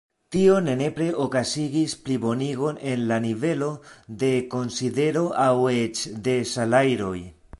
Tio ne nepre okazigis plibonigon en la nivelo de konsidero aŭ eĉ de salajroj.